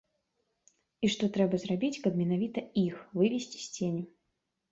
І што трэба зрабіць, каб менавіта іх вывесці з ценю.